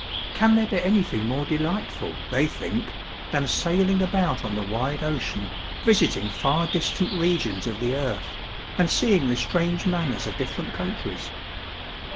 Can there be anything more delightful, they think, than sailing about on the wide ocean, visiting far distant regions of the earth, and seeing the strange manners of different countries?